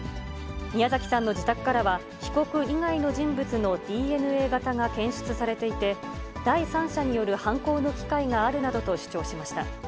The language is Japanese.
宮崎さんの自宅からは、被告以外の人物のＤＮＡ型が検出されていて、第三者による犯行の機会があるなどと主張しました。